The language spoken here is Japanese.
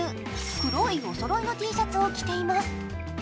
黒いおそろいのＴシャツを着ています。